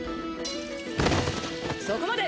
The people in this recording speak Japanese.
そこまで！